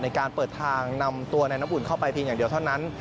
ในการเปิดทางนำตัวในน้ำอุ่นเข้าไปเพียงอย่างเดียวเท่านั้น